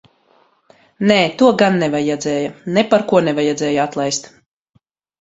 Nē, to gan nevajadzēja. Neparko nevajadzēja atlaist.